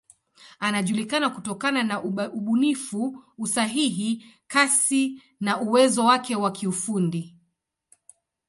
Anajulikana kutokana na ubunifu, usahihi, kasi na uwezo wake wa kiufundi.